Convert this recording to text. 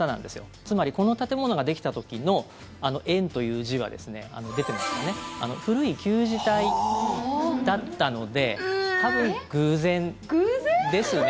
つまり、この建物ができた時のあの「えん」という字は古い旧字体だったので多分、偶然ですね。